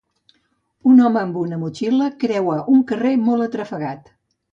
Un home amb una motxilla creua un carrer molt atrafegat.